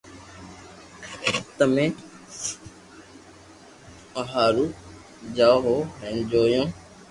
امي تمو ھارون جآوو ھون ھين جيويو